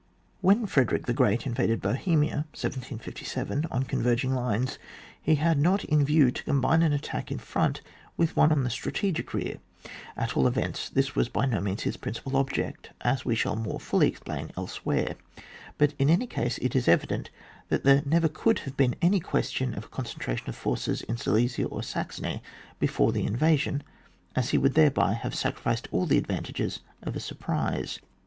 "When Frederick the Great invaded Bohemia, 1767, on converging lines, he had not in view to combine an attack in front with one on the strategic rear, at all events, this was by no means his principal object, as we shall more fully explain elsewhere, but in any case it is evident that there never could have been any question of a concentration of forces in Silesia or Saxony before the invasion, as he would thereby have sacrificed all the advantages of a surprise.